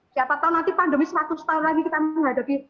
siapa tahu nanti pandemi seratus tahun lagi kita menghadapi